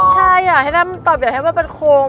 ใช่อ่ะแล้วให้น้ำคงแบบนี้มันโคน